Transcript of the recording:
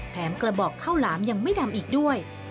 กระบอกข้าวหลามยังไม่ดำอีกด้วย